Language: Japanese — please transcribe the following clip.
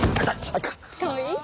かわいい？